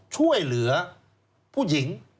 ช่วยเหลือผู้หญิง